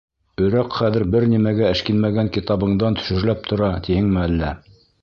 Өрәк хәҙер бер нимәгә эшкинмәгән китабыңдан шөрләп тора тиһеңме әллә?!